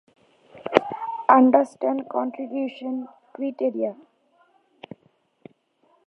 ঋগ্বেদে, প্রজাপতি সবিতা, সোম, অগ্নি ও ইন্দ্রের প্রতীক হিসাবে আবির্ভূত হন, যারা সকলেই সমান, একই ও জীবের প্রভু হিসাবে প্রশংসিত।